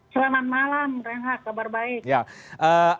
selamat malam renhat kabar baik